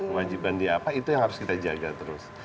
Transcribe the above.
kewajiban dia apa itu yang harus kita jaga terus